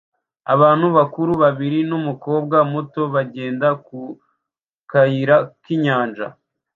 Abantu bakuru babiri n'umukobwa muto bagenda ku kayira k'inyanja